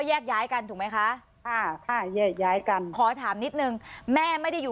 แยกย้ายกันถูกไหมคะค่ะแยกย้ายกันขอถามนิดนึงแม่ไม่ได้อยู่